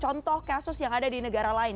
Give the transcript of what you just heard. contoh kasus yang ada di negara lain